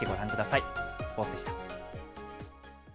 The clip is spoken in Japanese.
スポーツでした。